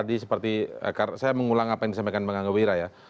jadi seperti saya mengulang apa yang disampaikan bang angga wira ya